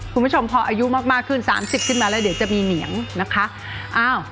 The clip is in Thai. คุณผู้ชมพออายุมากขึ้น๓๐ขึ้นมาแล้วเดี๋ยวจะมีเหนียงนะคะ